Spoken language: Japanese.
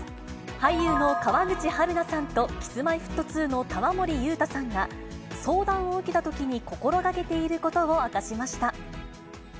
俳優の川口春奈さんと、Ｋｉｓ−Ｍｙ−Ｆｔ２の玉森裕太さんが、相談を受けたときに心がけていることを明かしました。